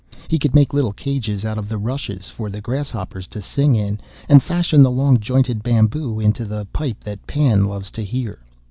He could make little cages out of rushes for the grasshoppers to sing in, and fashion the long jointed bamboo into the pipe that Pan loves to hear.